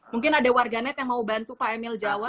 mungkin ada warganet yang mau bantu pak emil jawa